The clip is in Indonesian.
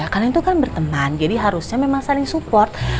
ya kalian tuh kan berteman jadi harusnya memang saling support